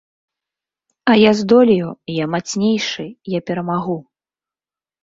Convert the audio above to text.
А я здолею, я мацнейшы, я перамагу.